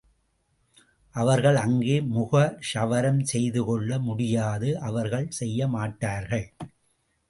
அவர்கள் அங்கே முக க்ஷவரம் செய்து கொள்ள முடியாது அவர்கள் செய்யமாட்டார்கள்.